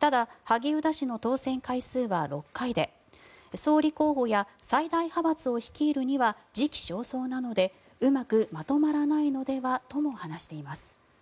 ただ萩生田氏の当選回数は６回で総理候補や最大派閥を率いるには時期尚早なのでうまくまとまらないのではと話しています。